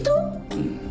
うん。